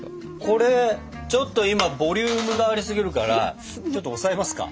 これちょっと今ボリュームがありすぎるからちょっと押さえますか？